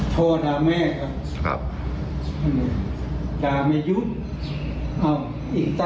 พ่อดาเมเก้า